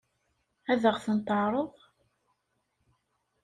Ad ɣ-ten-teɛṛeḍ?